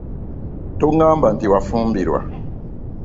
Toŋŋamba nti wafumbirwa.